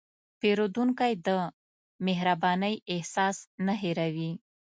پیرودونکی د مهربانۍ احساس نه هېروي.